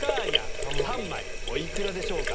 ３枚お幾らでしょうか？